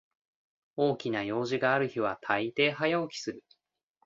大きな用事がある日はたいてい早起きする